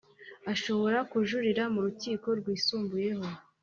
Ashobora kujuririra mu rukiko rwisumbuyeho